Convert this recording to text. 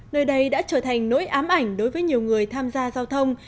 nơi đây đã trở thành nỗi ám ảnh đối với nhiều người tham gia giao thông